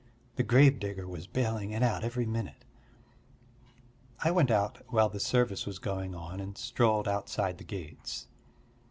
The gravedigger was baling it out every minute. I went out while the service was going on and strolled outside the gates.